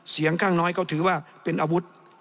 เสียงข้างน้อยก็ถือว่าเป็นอาวุธ